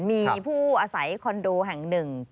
มีผู้อาศัยคอนโดแห่งหนึ่ง